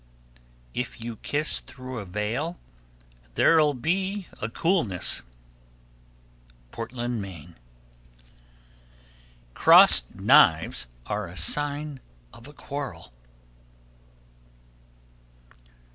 If you kiss through a veil, there'll be a coolness. Portland, Me. 1302. Crossed knives are a sign of a quarrel.